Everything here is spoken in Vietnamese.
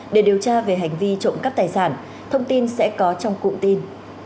để điều tra về hành vi trộm cắp tài sản thông tin sẽ có trong cụ tin